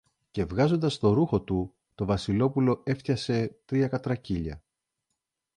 Και βγάζοντας το ρούχο του, το Βασιλόπουλο έφτιασε τρία κατρακύλια.